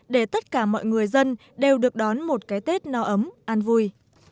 để tất cả mọi người dân đều được đón một cái tết no ấm an vui